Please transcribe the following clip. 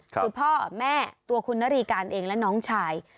คือพ่อแม่ตัวคุณนรีการเองและน้องชาย